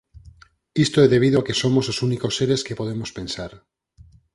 Isto é debido a que somos os únicos seres que podemos pensar.